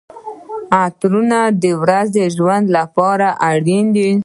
عطرونه د ورځني ژوند لپاره اړین دي.